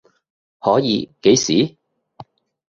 可以，幾時？